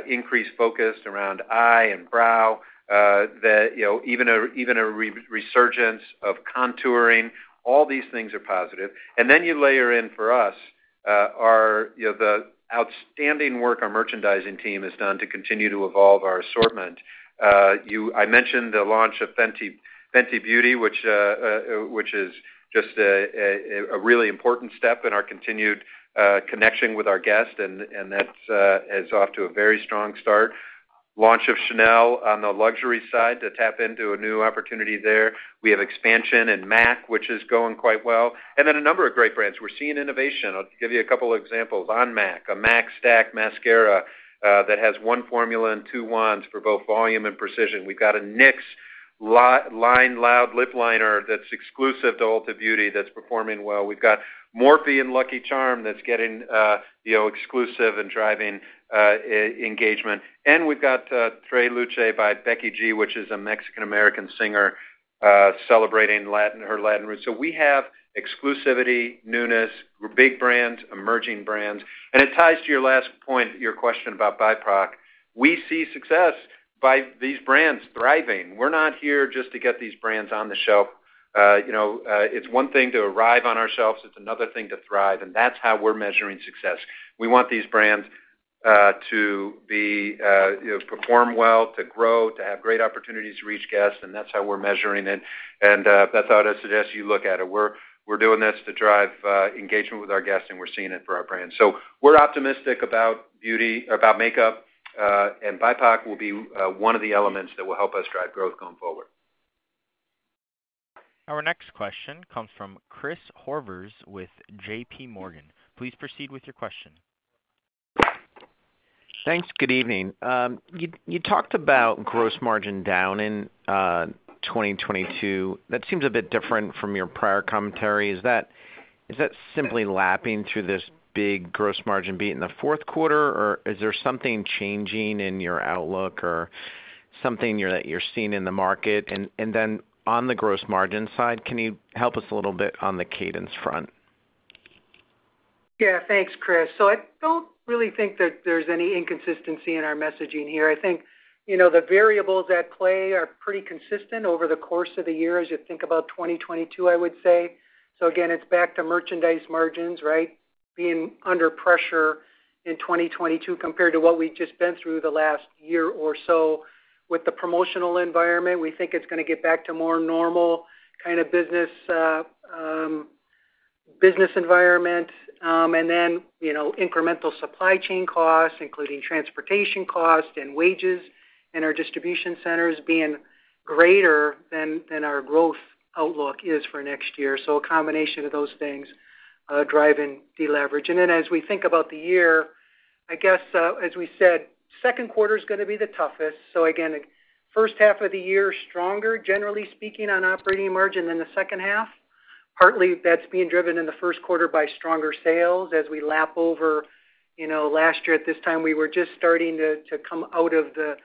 increased focus around eye and brow, you know, even a resurgence of contouring. All these things are positive. You layer in for us our you know the outstanding work our merchandising team has done to continue to evolve our assortment. I mentioned the launch of Fenty Beauty, which is just a really important step in our continued connection with our guest, and that's off to a very strong start. Launch of Chanel on the luxury side to tap into a new opportunity there. We have expansion in MAC, which is going quite well, and then a number of great brands. We're seeing innovation. I'll give you a couple examples. On MAC, a M·A·CStack mascara that has one formula and two wands for both volume and precision. We've got a NYX Line Loud lip liner that's exclusive to Ulta Beauty that's performing well. We've got Morphe and Lucky Charms that's getting, you know, exclusive and driving engagement. We've got Treslúce by Becky G, which is a Mexican-American singer celebrating her Latin roots. We have exclusivity, newness. We have big brands, emerging brands. It ties to your last point, your question about BIPOC. We see success by these brands thriving. We're not here just to get these brands on the shelf. It's one thing to arrive on our shelves, it's another thing to thrive, and that's how we're measuring success. We want these brands, perform well, to grow, to have great opportunities to reach guests, and that's how we're measuring it. That's how I suggest you look at it. We're doing this to drive engagement with our guests, and we're seeing it for our brands. We're optimistic about beauty, about makeup, and BOPUS will be one of the elements that will help us drive growth going forward. Our next question comes from Chris Horvers with JPMorgan. Please proceed with your question. Thanks. Good evening. You talked about gross margin down in 2022. That seems a bit different from your prior commentary. Is that simply lapping to this big gross margin beat in the fourth quarter, or is there something changing in your outlook or something you're seeing in the market? On the gross margin side, can you help us a little bit on the cadence front? Yeah. Thanks, Chris. I don't really think that there's any inconsistency in our messaging here. I think, the variables at play are pretty consistent over the course of the year as you think about 2022, I would say. Again, it's back to merchandise margins being under pressure in 2022 compared to what we've just been through the last year or so. With the promotional environment, we think it's gonna get back to more normal kind of business environment. Then, incremental supply chain costs, including transportation costs and wages in our distribution centers being greater than our growth outlook is for next year. A combination of those things driving deleverage. Then as we think about the year, I guess, as we said, second quarter is gonna be the toughest. Again, H1 of the year stronger, generally speaking, on operating margin than the second half. Partly that's being driven in the first quarter by stronger sales as we lap over. Last year at this time, we were just starting to come out of the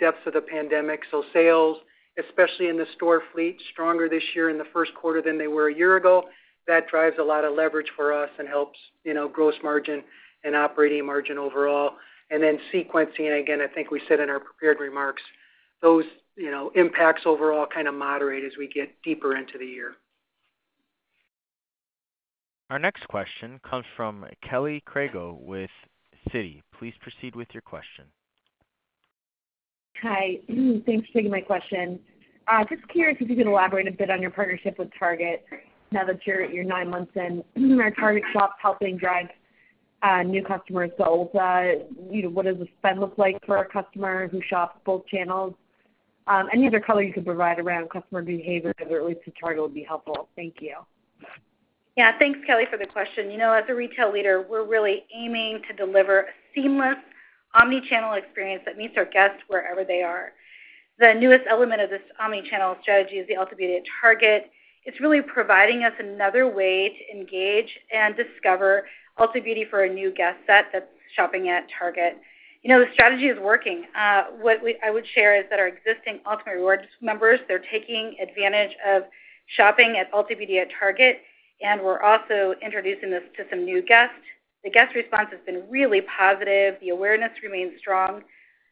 depths of the pandemic. Sales, especially in the store fleet, stronger this year in the first quarter than they were a year ago. That drives a lot of leverage for us and helps, gross margin and operating margin overall. Then sequencing, again, I think we said in our prepared remarks, those, impacts overall kind of moderate as we get deeper into the year. Our next question comes from Kelly Crago with Citi. Please proceed with your question. Hi. Thanks for taking my question. Just curious if you could elaborate a bit on your partnership with Target now that you're nine months in. Are Target shops helping drive new customer sales? What does the spend look like for a customer who shops both channels? Any other color you could provide around customer behavior, whether it relates to Target, would be helpful. Thank you. Yeah. Thanks, Kelly, for the question. You know, as a retail leader, we're really aiming to deliver a seamless omni-channel experience that meets our guests wherever they are. The newest element of this omni-channel strategy is the Ulta Beauty at Target. It's really providing us another way to engage and discover Ulta Beauty for a new guest set that's shopping at Target. The strategy is working. What I would share is that our existing Ultamate Rewards members, they're taking advantage of shopping at Ulta Beauty at Target, and we're also introducing this to some new guests. The guest response has been really positive. The awareness remains strong.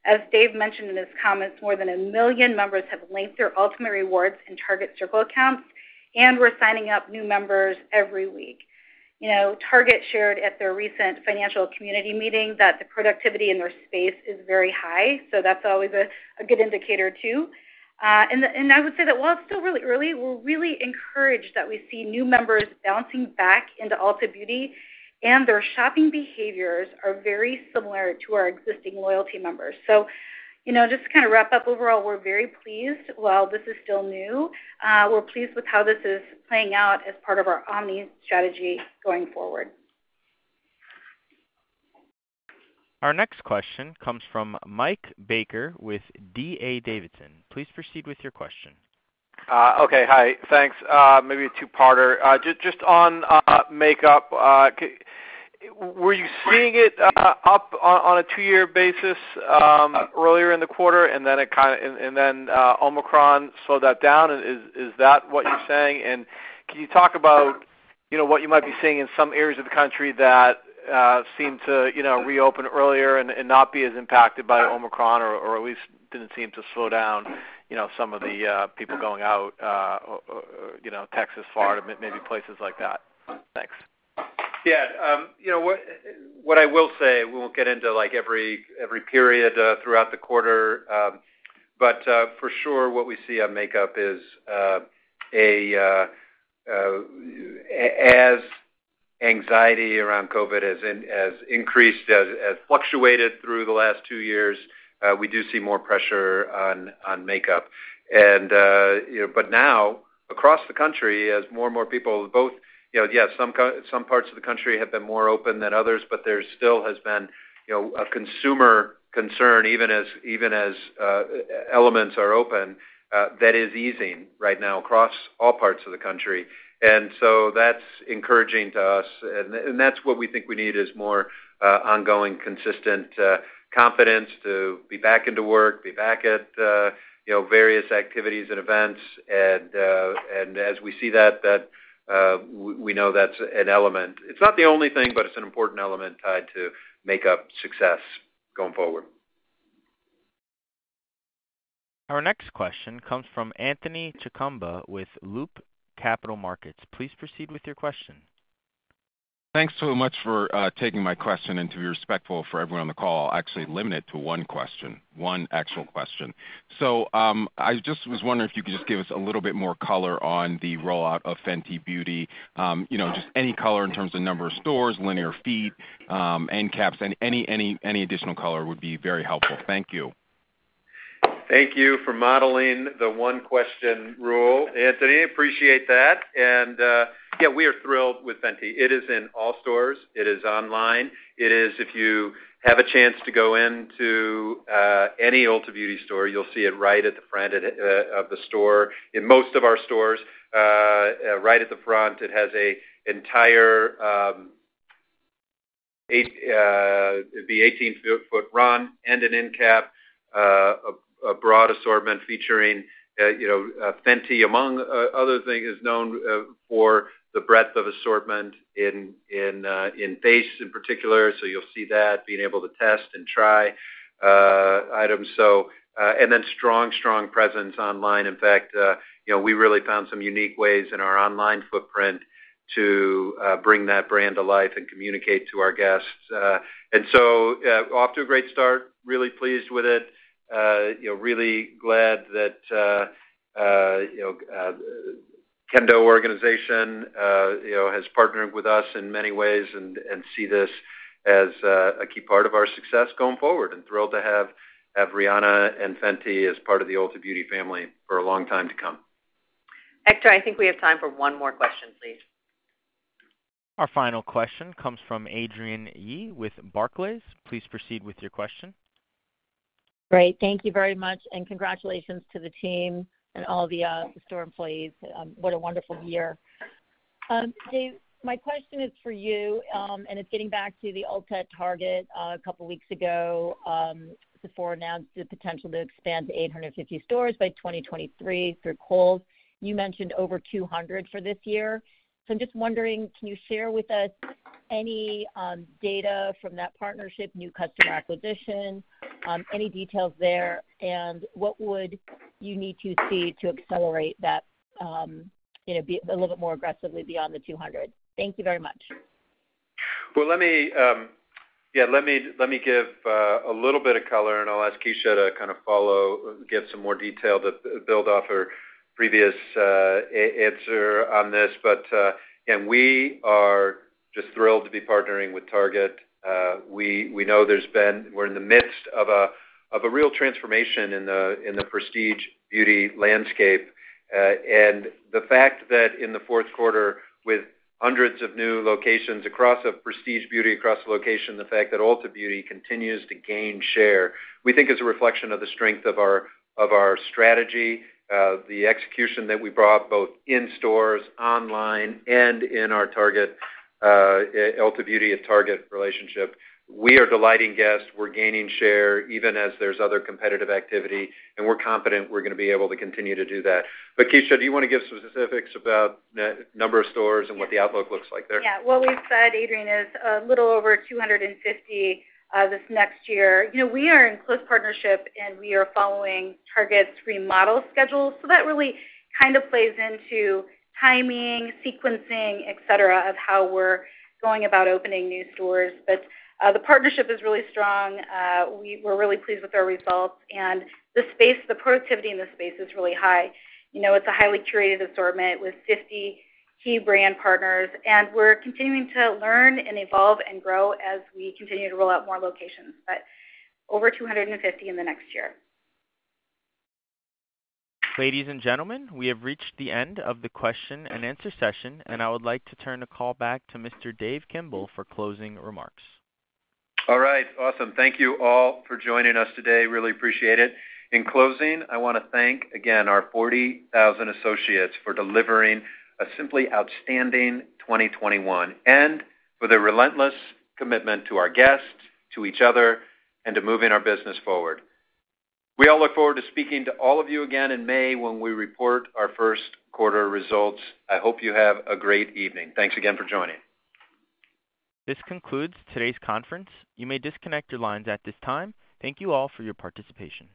As Dave mentioned in his comments, more than 1 million members have linked their Ultamate Rewards and Target Circle accounts, and we're signing up new members every week. Target shared at their recent financial community meeting that the productivity in their space is very high, so that's always a good indicator too. I would say that while it's still really early, we're really encouraged that we see new members bouncing back into Ulta Beauty, and their shopping behaviors are very similar to our existing loyalty members. Just to kind of wrap up, overall, we're very pleased. While this is still new, we're pleased with how this is playing out as part of our omni strategy going forward. Our next question comes from Mike Baker with D.A. Davidson. Please proceed with your question. Okay. Hi. Thanks. Maybe a two-parter. Just on makeup. Were you seeing it up on a two-year basis earlier in the quarter, and then Omicron slowed that down? Is that what you're saying? Can you talk about, you know, what you might be seeing in some areas of the country that seem to, you know, reopen earlier and not be as impacted by Omicron or at least didn't seem to slow down, some of the people going out, Texas, Florida, maybe places like that? Thanks. Yeah. What I will say, we won't get into, like, every period throughout the quarter. For sure, what we see on makeup is anxiety around COVID-19 has increased, has fluctuated through the last two years. We do see more pressure on makeup. Now, across the country, as more and more people yes, some parts of the country have been more open than others, but there still has been, a consumer concern, even as elements are open, that is easing right now across all parts of the country. That's encouraging to us, and that's what we think we need, is more, ongoing, consistent, confidence to be back into work, be back at, various activities and events. As we see that, we know that's an element. It's not the only thing, but it's an important element tied to makeup success going forward. Our next question comes from Anthony Chukumba with Loop Capital Markets. Please proceed with your question. Thanks so much for taking my question, and to be respectful for everyone on the call, I'll actually limit it to one question, one actual question. I just was wondering if you could just give us a little bit more color on the rollout of Fenty Beauty. Just any color in terms of number of stores, linear feet, end caps, any additional color would be very helpful. Thank you. Thank you for modeling the one-question rule, Anthony. Appreciate that. Yeah, we are thrilled with Fenty. It is in all stores. It is online. It is if you have a chance to go into any Ulta Beauty store, you'll see it right at the front of the store. In most of our stores, right at the front, it has an entire 18-foot run and an end cap, a broad assortment featuring you know Fenty among other things is known for the breadth of assortment in face in particular. You'll see that, being able to test and try items. Strong presence online. In fact, you know, we really found some unique ways in our online footprint to bring that brand to life and communicate to our guests. Off to a great start. Really pleased with it. Really glad that, Kendo organization, has partnered with us in many ways and see this as a key part of our success going forward, and thrilled to have Rihanna and Fenty as part of the Ulta Beauty family for a long time to come. Hector, I think we have time for one more question, please. Our final question comes from Adrienne Yih with Barclays. Please proceed with your question. Great. Thank you very much, and congratulations to the team and all the store employees. What a wonderful year. Dave, my question is for you, and it's getting back to the Ulta at Target. A couple weeks ago, Sephora announced the potential to expand to 850 stores by 2023 through Kohl's. You mentioned over 200 for this year. I'm just wondering, can you share with us any data from that partnership, new customer acquisition, any details there? What would you need to see to accelerate that, you know, be a little bit more aggressively beyond the 200? Thank you very much. Well, let me give a little bit of color, and I'll ask Kecia to kind of follow, get some more detail to build off her previous answer on this. We are just thrilled to be partnering with Target. We know we're in the midst of a real transformation in the prestige beauty landscape. The fact that in the Q4, with hundreds of new locations across a prestige beauty, across the location, Ulta Beauty continues to gain share, we think is a reflection of the strength of our strategy, the execution that we brought both in stores, online, and in our Target, Ulta Beauty at Target relationship. We are delighting guests. We're gaining share, even as there's other competitive activity, and we're confident we're gonna be able to continue to do that. Kecia, do you wanna give some specifics about the number of stores and what the outlook looks like there? Yeah. What we've said, Adrienne, is a little over 250 this next year. We are in close partnership, and we are following Target's remodel schedule, so that really kind of plays into timing, sequencing, et cetera, of how we're going about opening new stores. The partnership is really strong. We're really pleased with our results, and the space, the productivity in the space is really high. It's a highly curated assortment with 50 key brand partners, and we're continuing to learn and evolve and grow as we continue to roll out more locations. Over 250 in the next year. Ladies and gentlemen, we have reached the end of the question and answer session, and I would like to turn the call back to Mr. Dave Kimbell for closing remarks. All right. Awesome. Thank you all for joining us today. Really appreciate it. In closing, I wanna thank again our 40,000 associates for delivering a simply outstanding 2021, and for their relentless commitment to our guests, to each other, and to moving our business forward. We all look forward to speaking to all of you again in May when we report our Q1 results. I hope you have a great evening. Thanks again for joining. This concludes today's conference. You may disconnect your lines at this time. Thank you all for your participation.